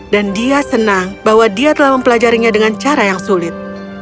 dan dia senang bahwa dia telah mempelajarinya dengan cara yang sulit